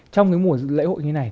trong cái mùa lễ hội như thế này